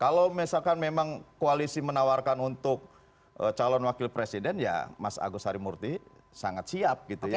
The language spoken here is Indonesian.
kalau misalkan memang koalisi menawarkan untuk calon wakil presiden ya mas agus harimurti sangat siap gitu ya